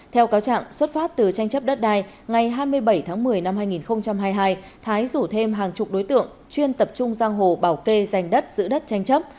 theo cáo trạng xuất phát từ tranh chấp đất đai ngày hai mươi bảy tháng một mươi năm hai nghìn hai mươi hai thái rủ thêm hàng chục đối tượng chuyên tập trung giang hồ bảo kê giành đất giữ đất tranh chấp